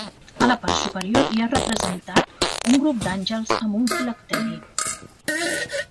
A la part superior hi ha representat un grup d'àngels amb un Filacteri.